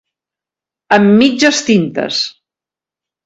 Amb mitges tintes.